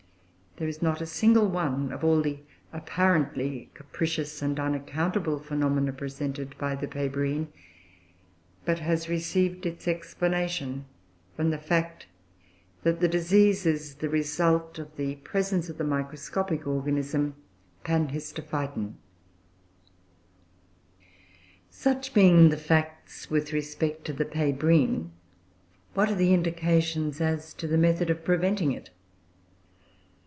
There is not a single one of all the apparently capricious and unaccountable phenomena presented by the Pébrine, but has received its explanation from the fact that the disease is the result of the presence of the microscopic organism, Panhistophyton. Such being the facts with respect to the Pébrine, what are the indications as to the method of preventing it?